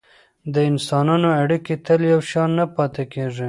د انسانانو اړیکې تل یو شان نه پاتې کیږي.